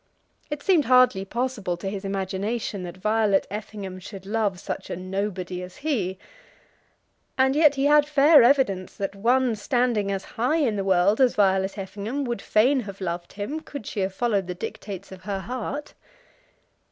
It seemed hardly possible to his imagination that Violet Effingham should love such a nobody as he. And yet he had had fair evidence that one standing as high in the world as Violet Effingham would fain have loved him could she have followed the dictates of her heart.